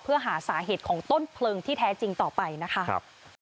เพื่อหาสาเหตุของต้นเพลิงที่แท้จริงต่อไปนะคะ